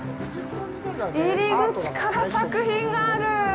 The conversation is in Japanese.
入り口から作品がある。